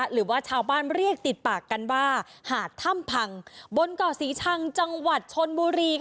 หรือว่าชาวบ้านเรียกติดปากกันว่าหาดถ้ำพังบนเกาะศรีชังจังหวัดชนบุรี